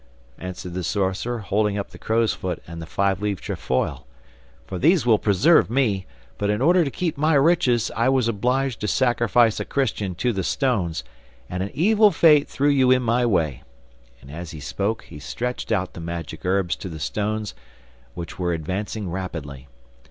answered the sorcerer, holding up the crowsfoot and the five leaved trefoil, 'for these will preserve me. But in order to keep my riches, I was obliged to sacrifice a Christian to the stones, and an evil fate threw you in my way.' And as he spoke he stretched out the magic herbs to the stones, which were advancing rapidly.